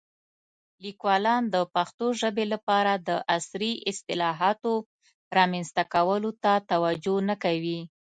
لیکوالان د پښتو ژبې لپاره د عصري اصطلاحاتو رامنځته کولو ته توجه نه کوي.